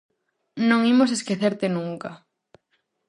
Non imos esquecerte nunca.